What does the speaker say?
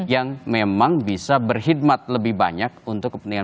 yang memang bisa berkhidmat lebih banyak untuk kepentingan